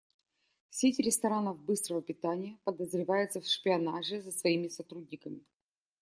Сеть ресторанов быстрого питания подозревается в шпионаже за своими сотрудниками.